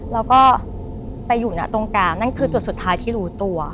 แล้วก็ไปอยู่นะตรงกลางนั่นคือจุดสุดท้ายที่รู้ตัว